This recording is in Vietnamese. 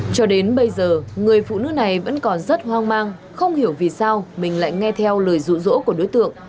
cho đến bây giờ người phụ nữ này vẫn còn rất hoang mang không hiểu vì sao mình lại nghe theo lời rụ rỗ của đối tượng